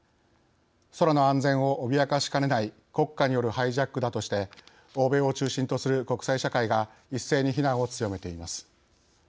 空の安全を脅かしかねない国家によるハイジャックだとして欧米を中心とする国際社会が一斉に非難を強めています。